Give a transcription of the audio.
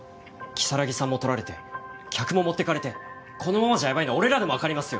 如月さんも取られて客も持ってかれてこのままじゃヤバいの俺らでもわかりますよ？